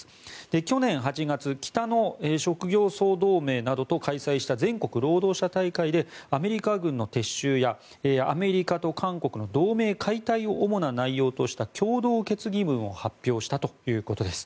去年８月北の職業総同盟などと開催した全国労働者大会でアメリカ軍の撤収やアメリカと韓国の同盟解体を主な内容とした共同決議文を発表したということです。